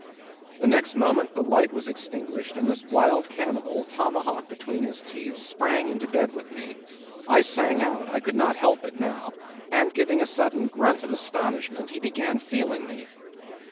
The next moment the light was extinguished, and this wild cannibal, tomahawk between his teeth, sprang into bed with me. I sang out, I could not help it now; and giving a sudden grunt of astonishment he began feeling me.